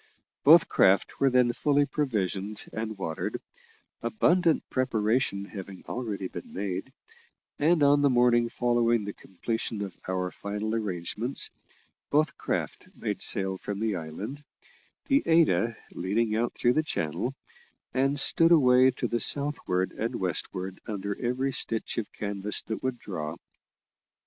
Both craft were then fully provisioned and watered, abundant preparation having already been made, and on the morning following the completion of our final arrangements, both craft made sail from the island, the Ada leading out through the channel, and stood away to the southward and westward under every stitch of canvas that would draw.